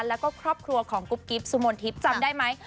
แล้วก็ครอบครัวของกุ๊บกิ๊บสุมนทิพย์จำได้ไหม